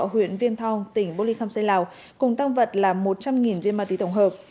huyện viên thong tỉnh bô ly khâm xây lào cùng tăng vật là một trăm linh viên ma túy tổng hợp